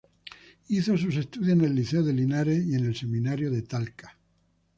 Hizo sus estudios en el Liceo de Linares y en el Seminario de Talca.